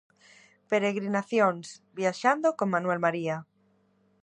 Peregrinacións: Viaxando con Manuel María.